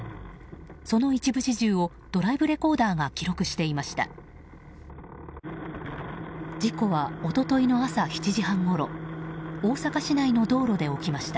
その一部始終をドライブレコーダーが記録していました。